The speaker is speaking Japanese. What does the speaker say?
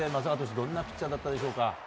どんなピッチャーだったでしょうか。